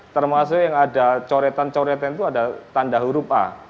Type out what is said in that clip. termasuk yang ada coretan coretan itu ada tanda huruf a